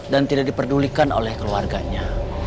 tidak diperdulikan oleh keluarganya